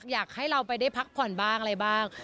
อยากให้เราไปได้พักผ่อนบ้างอะไรบ้าง